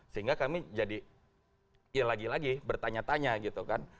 sehingga kami jadi ya lagi lagi bertanya tanya gitu kan